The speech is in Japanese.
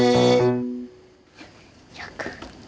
１００！